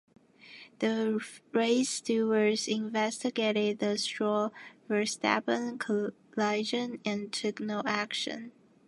The race stewards investigated the Stroll–Verstappen collision and took no action.